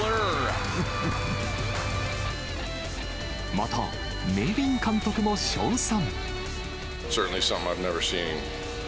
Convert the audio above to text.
また、ネビン監督も称賛。